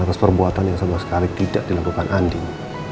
atas perbuatan yang sama sekali tidak dilakukan andi